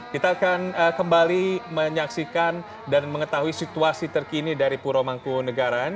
kita akan kembali menyaksikan dan mengetahui situasi terkini dari pura mangku negaraan